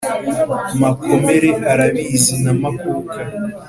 makomere arabizi, na makuka